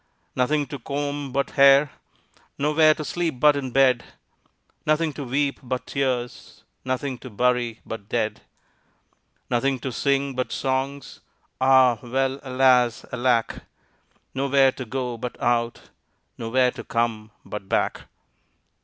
Nothing to comb but hair, Nowhere to sleep but in bed, Nothing to weep but tears, Nothing to bury but dead. Nothing to sing but songs, Ah, well, alas! alack! Nowhere to go but out, Nowhere to come but back.